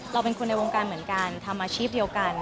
เราเป็นคนในวงการเหมือนกันทำอาชีพเดียวกัน